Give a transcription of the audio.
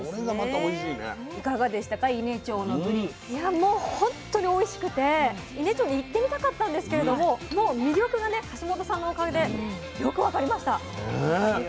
もう本当においしくて伊根町に行ってみたかったんですけれどももう魅力がね橋本さんのおかげでよく分かりました。